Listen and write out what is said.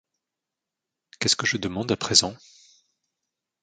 Qu’est-ce que je demande à présent?